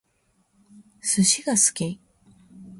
寿司が好き